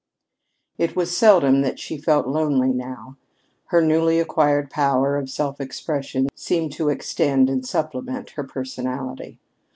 It was seldom that she felt lonely now. Her newly acquired power of self expression seemed to extend and supplement her personality.